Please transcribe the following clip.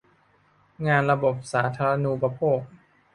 งานระบบสาธารณูปโภค